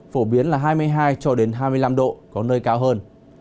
phổ biến là hai mươi hai cho đến hai mươi năm độ có nơi cao hơn